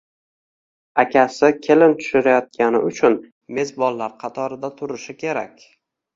akasi kelin tushirayotgani uchun mezbonlar qatorida turishi kerak